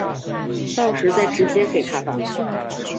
到时再直接给他吧